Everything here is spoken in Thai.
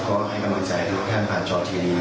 ก็ให้กำลังใจทุกท่านผ่านจอทีวี